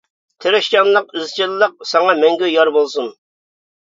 تىرىشچانلىق، ئىزچىللىق ساڭا مەڭگۈ يار بولسۇن.